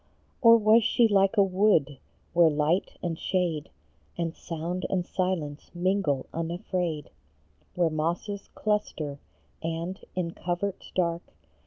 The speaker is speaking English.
Or was she like a wood, where light and shade, And sound and silence, mingle unafraid ; Where mosses cluster, and, in coverts dark, 52 H.